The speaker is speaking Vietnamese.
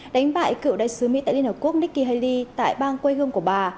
đánh bại cựu đại sứ mỹ tại liên hợp quốc nikki haley tại bang quê gương của bà